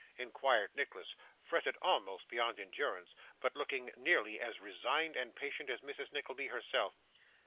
inquired Nicholas, fretted almost beyond endurance, but looking nearly as resigned and patient as Mrs. Nickleby herself.